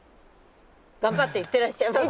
頑張って行ってらっしゃいませ。